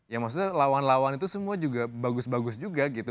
ya maksudnya lawan lawan itu semua juga bagus bagus juga gitu